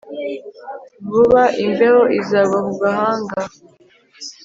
vuba imbeho izagwa ku gahanga